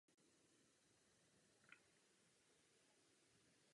Doufám, že se tak nestane, neboť potřebujeme vyslat důrazný signál.